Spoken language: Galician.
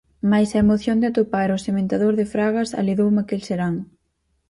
Mais a emoción de atopar ao sementador de fragas aledoume aquel serán.